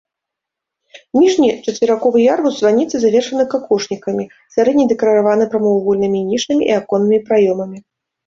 Ніжні чацверыковы ярус званіцы завершаны какошнікамі, сярэдні дэкарыраваны прамавугольнымі нішамі і аконнымі праёмамі.